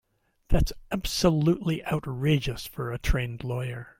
That's absolutely outrageous for a trained lawyer.